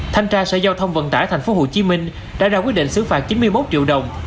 thanh tra sở giao thông vận tải tp hcm đã ra quyết định xứ phạt chín mươi một triệu đồng